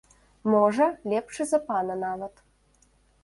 Можа, лепшы за пана нават.